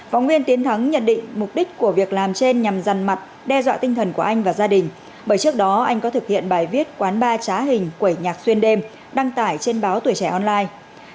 võ nguyên tiến thắng nhận định mục đích của việc làm trên nhằm rằn mặt đe dọa tinh thần của anh và gia đình bởi trước đó anh có thực hiện bài viết quán ba trá hình quẩy nhạc xuyên đêm đăng tải trên báo tuổi trẻ online